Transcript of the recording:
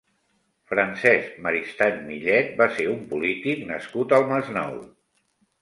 Francesc Maristany Millet va ser un polític nascut al Masnou.